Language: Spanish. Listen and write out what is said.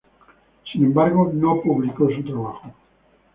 Sin embargo, no publicó su trabajo.